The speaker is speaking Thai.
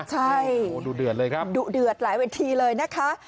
ใช่ดูเดือดเลยครับดุเดือดหลายเวทีเลยนะคะ